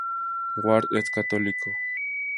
Ward es católico.